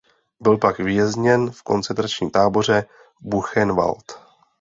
Byl pak vězněn v koncentračním táboře Buchenwald.